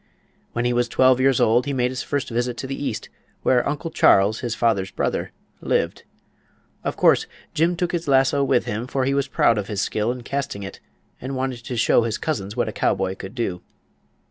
When he was twelve years old he made his first visit to the east, where Uncle Charles, his father's brother, lived. Of course Jim took his lasso with him, for he was proud of his skill in casting it, and wanted to show his cousins what a cowboy could do.